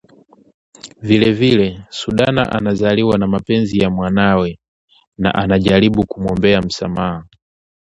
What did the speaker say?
Vilevile, Sudana analizwa na mapenzi ya mwanawe na anajaribu kumwombea msamaha